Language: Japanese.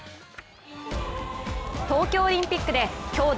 東京オリンピックで兄妹